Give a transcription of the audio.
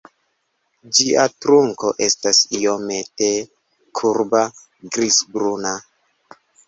Ĝia trunko estas iomete kurba, grizbruna.